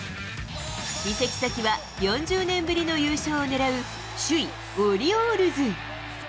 移籍先は４０年ぶりの優勝を狙う、首位オリオールズ。